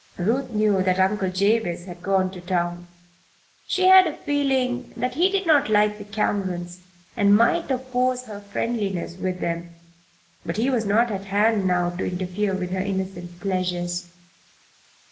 Ruth knew that Uncle Jabez had gone to town. She had a feeling that he did not like the Camerons and might oppose her friendliness with them. But he was not at hand now to interfere with her innocent pleasures.